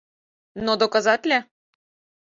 — Но доказатле!